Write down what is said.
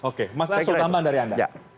oke mas asok nambah dari anda